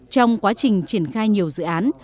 trong quá trình triển khai nhiều dự án